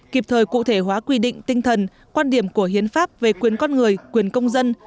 kịp thời cụ thể hóa quy định tinh thần quan điểm của hiến pháp về quyền con người quyền công dân